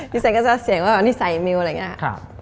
สัยก็จะเสียงว่านิสัยมิวอะไรอย่างนี้